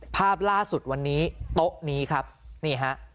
ภาพล่าสุดวันนี้โต๊ะนี้ครับนี่ฮะ